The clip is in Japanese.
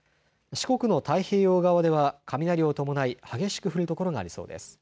四国の太平洋側では雷を伴い激しく降るところがありそうです。